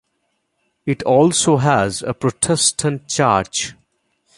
It also has a Protestant church.